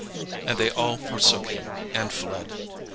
And they all forsook him, and fled.